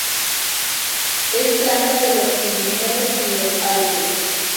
Es planta de los Pirineos y los Alpes.